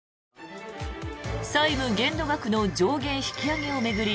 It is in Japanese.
債務限度額の上限引き上げを巡り